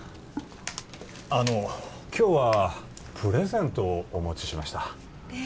あの今日はプレゼントをお持ちしましたえ